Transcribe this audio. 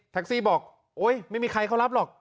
ซี่บอกโอ๊ยไม่มีใครเขารับหรอก